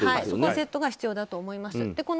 そのセットが必要だと思います。